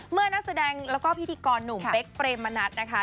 นักแสดงแล้วก็พิธีกรหนุ่มเป๊กเปรมมณัฐนะคะ